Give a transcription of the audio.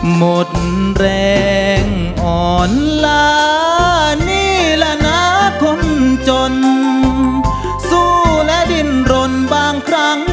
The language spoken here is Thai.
หมดแรงอ่อนลานี่แหละนะคนจนสู้และดินรนบางครั้ง